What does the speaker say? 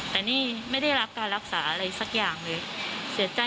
แต่นี่ไม่ได้รับการรักษาอะไรสักอย่างเลยเสียใจ